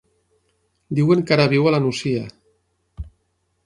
Diuen que ara viu a la Nucia.